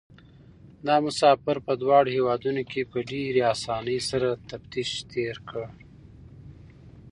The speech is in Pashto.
دا مسافر په دواړو هېوادونو کې په ډېرې اسانۍ سره تفتيش تېر کړ.